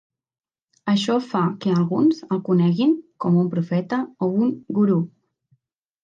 Això fa que alguns el coneguin com un profeta o un gurú.